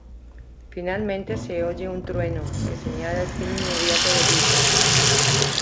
Finalmente se oye un trueno, que señala el fin inminente de Edipo.